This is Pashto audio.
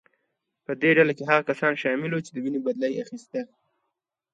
په دې ډله کې هغه کسان شامل وو چې د وینې بدله یې اخیسته.